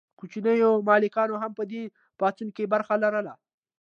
کوچنیو مالکانو هم په دې پاڅون کې برخه لرله.